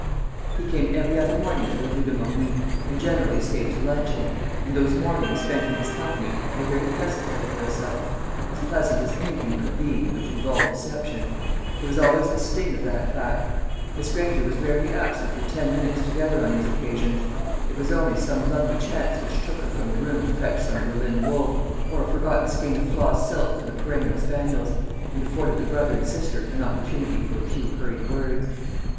He came every other morning to the Rue de Morny, and generally stayed to luncheon; and those mornings spent in his company were very pleasant to Clarissa as pleasant as anything could be which involved deception; there was always the sting of that fact. Miss Granger was rarely absent for ten minutes together on these occasions; it was only some lucky chance which took her from the room to fetch some Berlin wool, or a forgotten skein of floss silk for the perennial spaniels, and afforded the brother and sister an opportunity for a few hurried words.